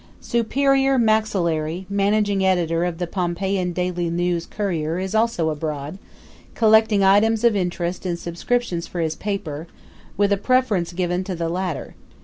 Superior Maxillary, managing editor of the Pompeiian "Daily News Courier," is also abroad, collecting items of interest and subscriptions for his paper, with preference given to the latter.